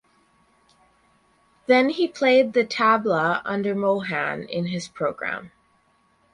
Then he played the tabla under Mohan in his program.